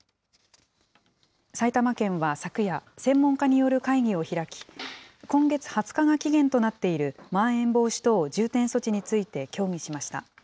埼玉県は昨夜、専門家による会議を開き、今月２０日が期限となっているまん延防止等重点措置について協議しました。